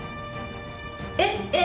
「えっ？えっ？」